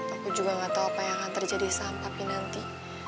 aku juga gak tau apa yang akan terjadi sama papi nanti